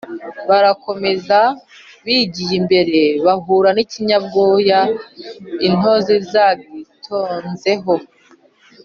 Barakomeza, bigiye imbere bahura n'ikinyabwoya intozi zagitonzeho,